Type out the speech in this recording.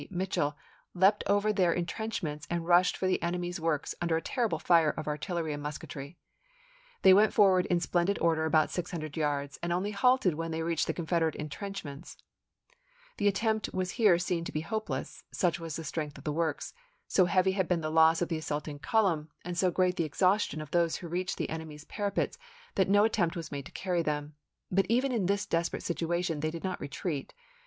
Mitch ell leaped over their intrenchments and rushed for the enemy's works under a terrible fire of artillery and musketry. They went forward in splendid order about six hundred yards, and only halted when they reached the Confederate intrenchments SHEEMAN'S CAMPAIGN TO THE CHATTAHOOCHEE 23 The attempt was here seen to be hopeless; such chap.l was the strength of the works, so heavy had been the loss of the assaulting column, and so great the exhaustion of those who reached the enemy's para pets that no attempt was made to carry them ; but even in this desperate situation they did not re treat.